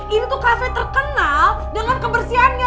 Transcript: ini tuh kafe terkenal dengan kebersihannya